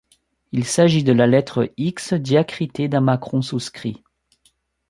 Il s’agit de la lettre X diacritée d’un macron souscrit.